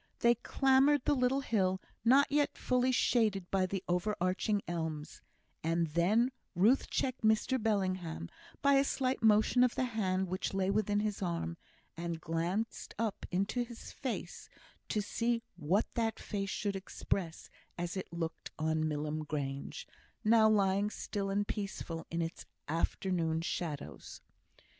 They clambered the little hill, not yet fully shaded by the overarching elms; and then Ruth checked Mr Bellingham, by a slight motion of the hand which lay within his arm, and glanced up into his face to see what that face should express as it looked on Milham Grange, now lying still and peaceful in its afternoon shadows.